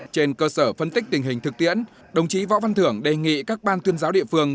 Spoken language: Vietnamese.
trên cơ sở phân tích tình hình thực tiễn đồng chí võ văn thưởng đề nghị các ban tuyên giáo địa phương